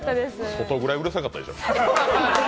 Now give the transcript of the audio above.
外ぐらいうるさかったでしょ。